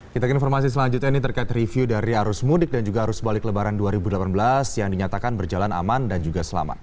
kita ke informasi selanjutnya ini terkait review dari arus mudik dan juga arus balik lebaran dua ribu delapan belas yang dinyatakan berjalan aman dan juga selamat